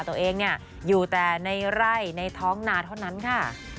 ตัวเองอยู่แต่ในไร่ในท้องนาเท่านั้นค่ะ